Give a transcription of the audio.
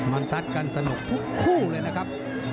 มันซัดกันสนุกทุกคู่เลยนะครับ